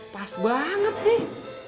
pas banget nih